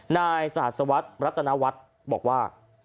นายสหัสวัสดิ์รัตนาวัสบอกว่า